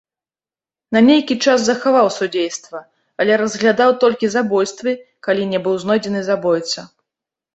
На нейкі час захаваў судзейства, але разглядаў толькі забойствы, калі не быў знойдзены забойца.